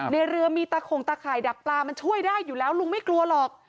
ในเรือมีตะข่งตะข่ายดักปลามันช่วยได้อยู่แล้วลุงไม่กลัวหรอก